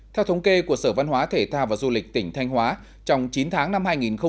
theo thống kê của sở văn hóa thể thao và du lịch tỉnh thanh hóa trong chín tháng năm hai nghìn một mươi chín